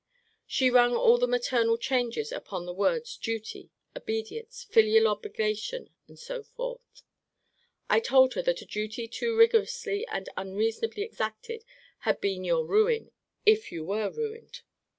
She rung all the maternal changes upon the words duty, obedience, filial obligation, and so forth. I told her that a duty too rigorously and unreasonably exacted had been your ruin, if you were ruined.